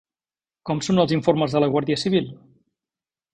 Com són els informes de la Guàrdia Civil?